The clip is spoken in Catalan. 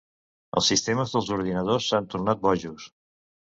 Els sistemes dels ordinadors s'han tornat bojos!